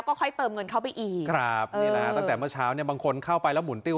ก็ค่อยเติมเงินเข้าไปอีกครับนี่นะฮะตั้งแต่เมื่อเช้าเนี่ยบางคนเข้าไปแล้วหุนติ้ว